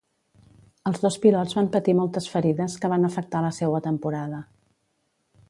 Els dos pilots van patir moltes ferides que van afectar la seua temporada.